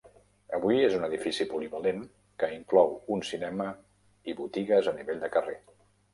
Avui és un edifici polivalent que inclou un cinema i botigues a nivell de carrer.